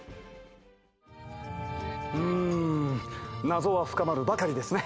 ⁉うん謎は深まるばかりですね。